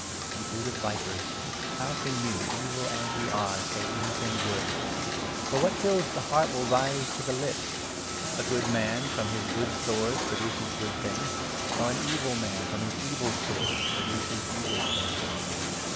You 34 brood of vipers ! how can you, evil as you are, say anything good ? For what fills the heart will rise to the lips. A good 35 man, from his good stores, produces good things ; while an evil man, from his evil stores, produces evil things.